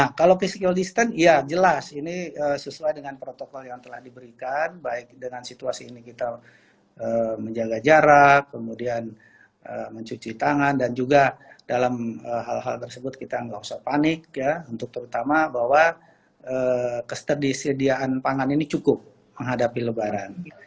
nah kalau physical distance ya jelas ini sesuai dengan protokol yang telah diberikan baik dengan situasi ini kita menjaga jarak kemudian mencuci tangan dan juga dalam hal hal tersebut kita gak usah panik ya untuk terutama bahwa kestadis sediaan pangan ini cukup menghadapi lebaran